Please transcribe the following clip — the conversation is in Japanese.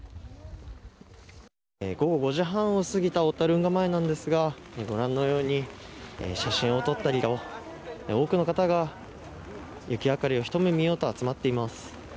午後５時半を過ぎた小樽運河前なんですがご覧のように写真を撮ったりと多くの方が雪明かりを一目見ようと集まっています。